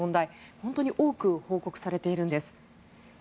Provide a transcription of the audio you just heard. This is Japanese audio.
本当に多く報告されているんです。